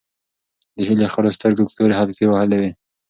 د هیلې خړو سترګو تورې حلقې وهلې وې.